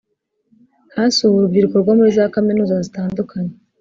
Hasuwe urubyiruko rwo muri za Kaminuza zitandukanye